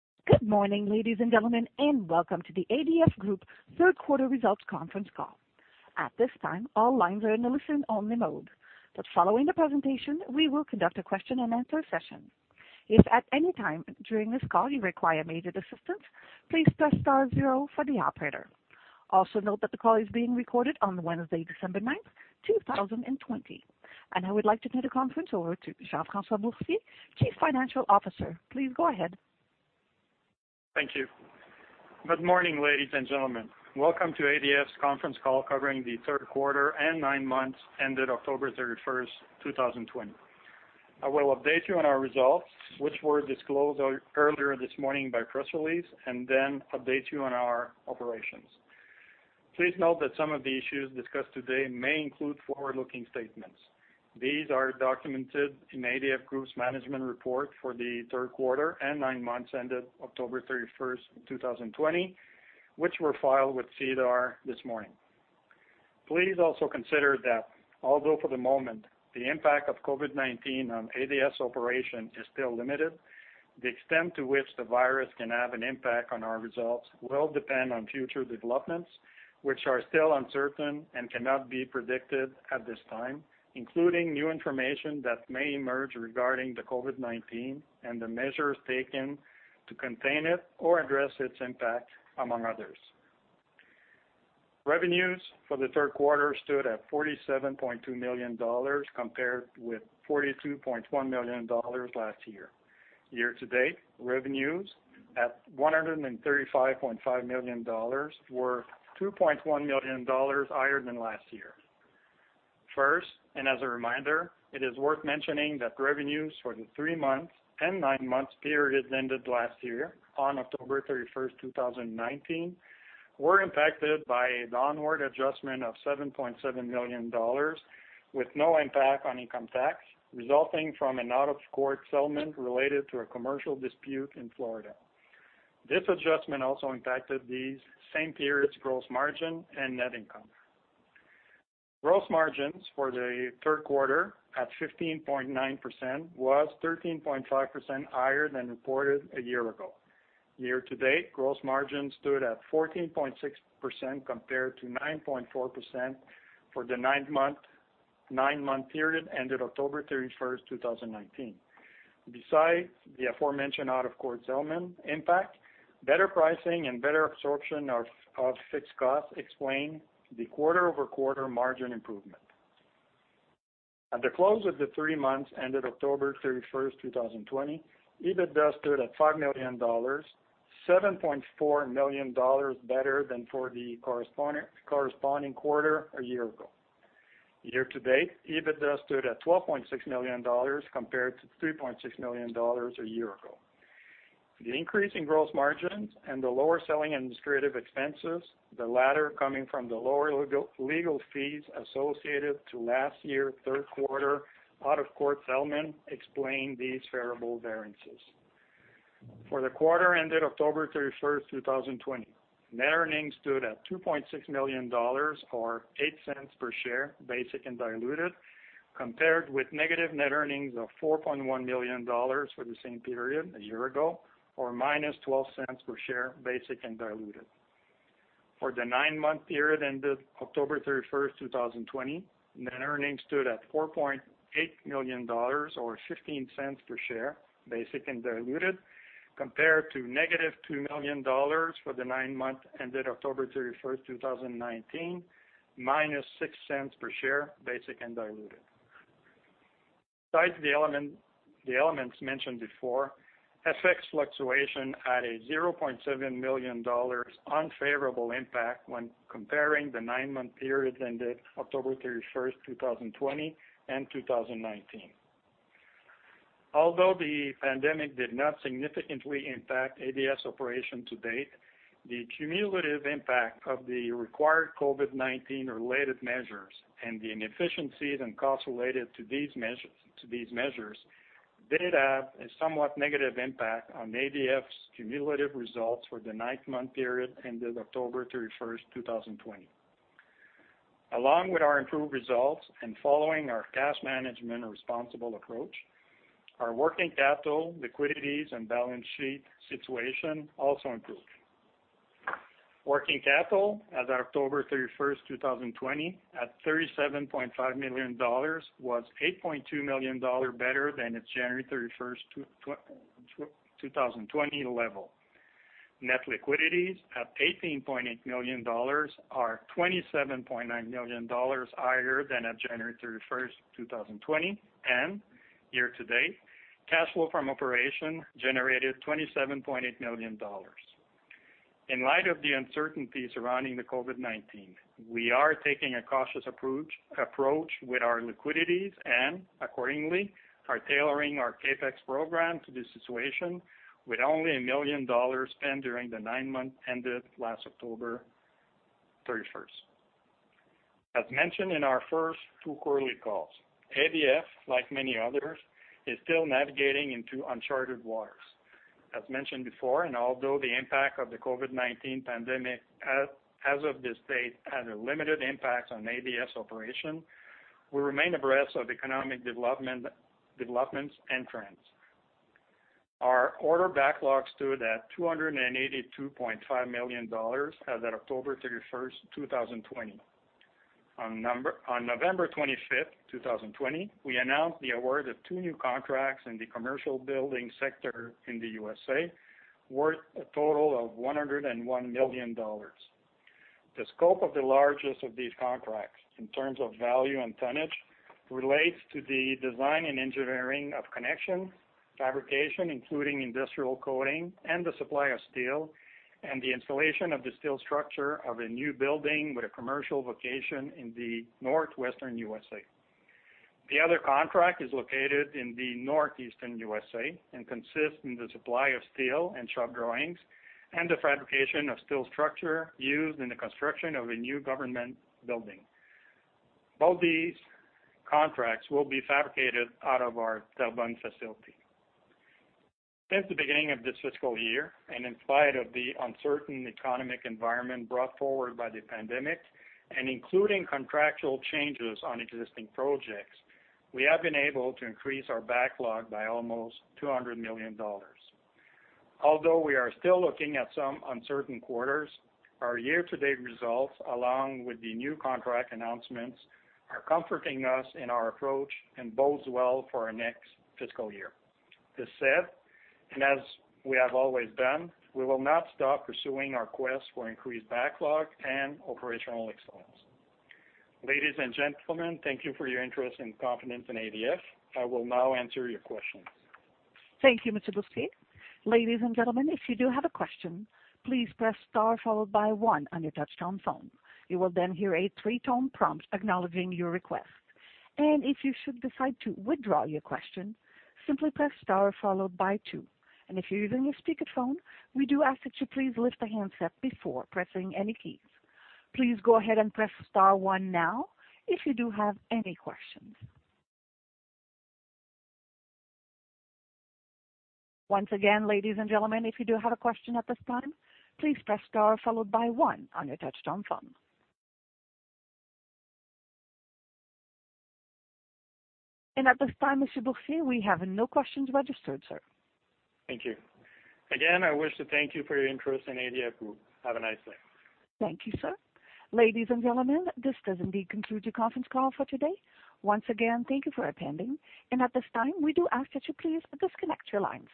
Good morning, ladies and gentlemen, and welcome to the ADF Group third quarter results conference call. At this time, all lines are in a listen-only mode, but following the presentation, we will conduct a question and answer session. If at any time during this call you require immediate assistance, please press star zero for the operator. Also note that the call is being recorded on Wednesday, December 9th, 2020. I would like to turn the conference over to Jean-François Boursier, Chief Financial Officer. Please go ahead. Thank you. Good morning, ladies and gentlemen. Welcome to ADF's conference call covering the third quarter and nine months ended October 31st, 2020. I will update you on our results, which were disclosed earlier this morning by press release, and then update you on our operations. Please note that some of the issues discussed today may include forward-looking statements. These are documented in ADF Group's management report for the third quarter and nine months ended October 31, 2020, which were filed with SEDAR this morning. Please also consider that although for the moment, the impact of COVID-19 on ADF's operation is still limited, the extent to which the virus can have an impact on our results will depend on future developments, which are still uncertain and cannot be predicted at this time, including new information that may emerge regarding the COVID-19 and the measures taken to contain it or address its impact, among others. Revenues for the third quarter stood at 47.2 million dollars, compared with 42.1 million dollars last year. Year-to-date, revenues at 135.5 million dollars were 2.1 million dollars higher than last year. First, as a reminder, it is worth mentioning that revenues for the three months and nine months periods ended last year on October 31st, 2019, were impacted by the downward adjustment of 7.7 million dollars with no impact on income tax, resulting from an out-of-court settlement related to a commercial dispute in Florida. This adjustment also impacted these same periods' gross margin and net income. Gross margins for the third quarter at 15.9% was 13.5% higher than reported a year ago. Year-to-date, gross margin stood at 14.6% compared to 9.4% for the nine-month period ended October 31st, 2019. Besides the aforementioned out-of-court settlement impact, better pricing and better absorption of fixed costs explain the quarter-over-quarter margin improvement. At the close of the three months ended October 31st, 2020, EBITDA stood at 5 million dollars, 7.4 million dollars better than for the corresponding quarter a year ago. Year-to-date, EBITDA stood at 12.6 million dollars compared to 3.6 million dollars a year ago. The increase in gross margins and the lower selling administrative expenses, the latter coming from the lower legal fees associated to last year, third quarter out-of-court settlement, explain these favorable variances. For the quarter ended October 31st, 2020, net earnings stood at 2.6 million dollars, or 0.08 per share, basic and diluted, compared with negative net earnings of 4.1 million dollars for the same period a year ago, or -0.12 per share, basic and diluted. For the nine-month period ended October 31st, 2020, net earnings stood at 4.8 million dollars or 0.15 per share, basic and diluted, compared to -2 million dollars for the nine months ended October 31st, 2019, CAD -0.06 per share, basic and diluted. Besides the elements mentioned before, FX fluctuation had a 0.7 million dollars unfavorable impact when comparing the nine-month periods ended October 31st, 2020 and 2019. Although the pandemic did not significantly impact ADF's operation to date, the cumulative impact of the required COVID-19 related measures and the inefficiencies and costs related to these measures did have a somewhat negative impact on ADF's cumulative results for the nine-month period ended October 31st, 2020. Along with our improved results and following our cash management responsible approach, our working capital liquidities and balance sheet situation also improved. Working capital as of October 31st, 2020, at 37.5 million dollars, was 8.2 million dollars better than its January 31st, 2020, level. Net liquidities at 18.8 million dollars are 27.9 million dollars higher than at January 31st, 2020, and year-to-date, cash flow from operation generated 27.8 million dollars. In light of the uncertainty surrounding the COVID-19, we are taking a cautious approach with our liquidities, and accordingly, are tailoring our CapEx program to the situation with only 1 million dollars spent during the nine months ended last October 31st. As mentioned in our first two quarterly calls, ADF, like many others, is still navigating into uncharted waters. Although the impact of the COVID-19 pandemic as of this date had a limited impact on ADF's operations. We remain abreast of economic developments and trends. Our order backlogs stood at 282.5 million dollars as at October 31st, 2020. On November 25th, 2020, we announced the award of two new contracts in the commercial building sector in the U.S., worth a total of 101 million dollars. The scope of the largest of these contracts, in terms of value and tonnage, relates to the design and engineering of connections, fabrication, including industrial coating and the supply of steel, and the installation of the steel structure of a new building with a commercial vocation in the northwestern U.S.A. The other contract is located in the northeastern U.S.A., and consists in the supply of steel and shop drawings and the fabrication of steel structure used in the construction of a new government building. Both these contracts will be fabricated out of our Terrebonne facility. Since the beginning of this fiscal year, and in spite of the uncertain economic environment brought forward by the pandemic, and including contractual changes on existing projects, we have been able to increase our backlog by almost 200 million dollars. Although we are still looking at some uncertain quarters, our year-to-date results, along with the new contract announcements, are comforting us in our approach and bodes well for our next fiscal year. This said, and as we have always done, we will not stop pursuing our quest for increased backlog and operational excellence. Ladies and gentlemen, thank you for your interest and confidence in ADF. I will now answer your questions. Thank you, Mr. Boursier. Ladies and gentlemen, if you do have a question, please press star followed by one on your touchtone phone. You will then hear a three-tone prompt acknowledging your request. If you should decide to withdraw your question, simply press star followed by two. If you're using a speakerphone, we do ask that you please lift the handset before pressing any keys. Please go ahead and press star one now if you do have any questions. Once again, ladies and gentlemen, if you do have a question at this time, please press star followed by one on your touchtone phone. At this time, Mr. Boursier, we have no questions registered, sir. Thank you. Again, I wish to thank you for your interest in ADF Group. Have a nice day. Thank you, sir. Ladies and gentlemen, this does indeed conclude your conference call for today. Once again, thank you for attending. At this time, we do ask that you please disconnect your line.